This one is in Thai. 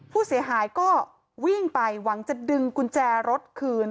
ผู้เสียหายก็วิ่งไปหวังจะดึงกุญแจรถคืน